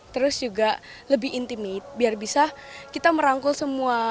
terus juga lebih intimate biar bisa kita merangkul semua